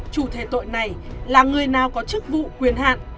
chủ thể tội này là người nào có chức vụ quyền hạn